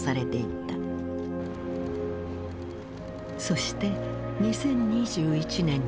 そして２０２１年１２月。